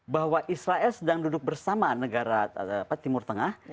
bahwa israel sedang duduk bersama negara timur tengah